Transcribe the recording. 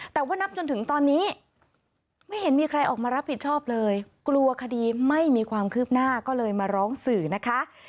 แต่ว่านับจนถึงตอนนี้ไม่เห็นมีใครออกมารับผิดชอบเลยกลัวคดีไม่มีความคืบหน้าก็เลยมาร้องสื่อนะคะ